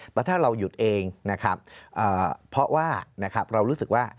แต่ถ้าเราหยุดเองนะครับเพราะว่านะครับเรารู้สึกว่า